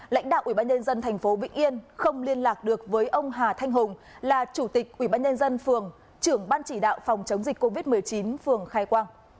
lãnh đạo ủy ban nhân dân tp vĩnh yên không liên lạc được với ông hà thanh hùng là chủ tịch ủy ban nhân dân phường trưởng ban chỉ đạo phòng chống dịch covid một mươi chín phường khai quang